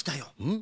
ん？